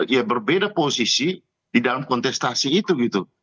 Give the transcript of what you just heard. ya berbeda posisi di dalam kontestasi itu gitu